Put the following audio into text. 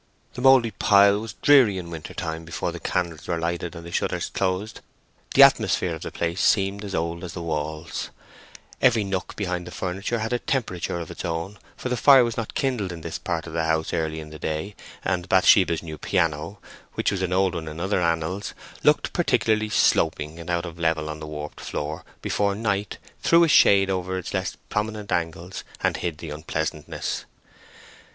The mouldy pile was dreary in winter time before the candles were lighted and the shutters closed; the atmosphere of the place seemed as old as the walls; every nook behind the furniture had a temperature of its own, for the fire was not kindled in this part of the house early in the day; and Bathsheba's new piano, which was an old one in other annals, looked particularly sloping and out of level on the warped floor before night threw a shade over its less prominent angles and hid the unpleasantness.